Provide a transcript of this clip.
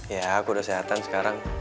ya aku udah sehatan sekarang